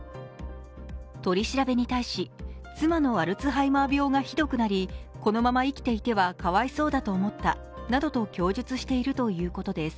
取り調べに対し、妻のアルツハイマー病がひどくなり、このまま生きていてはかわいそうだと思ったなどと供述しているということです。